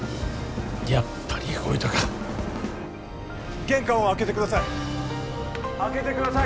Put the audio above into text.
やっぱり動いたか玄関を開けてください開けてください